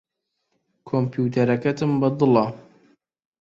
کۆمپیوتەرەکەتم بەدڵە.